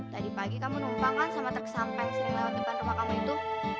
tadi pagi kamu numpang kan sama truk sampeng sering lewat depan rumah kamu itu